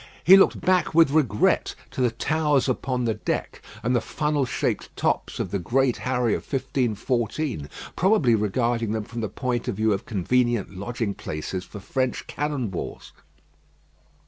He looked back with regret to the towers upon the deck, and the funnel shaped tops of the Great Harry of 1514 probably regarding them from the point of view of convenient lodging places for French cannon balls.